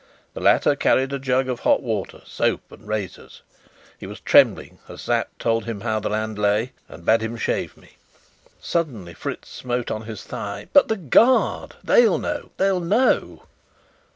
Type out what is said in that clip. The latter carried a jug of hot water, soap and razors. He was trembling as Sapt told him how the land lay, and bade him shave me. Suddenly Fritz smote on his thigh: "But the guard! They'll know! they'll know!"